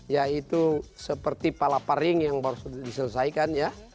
ya itu seperti palaparing yang baru sudah diselesaikan ya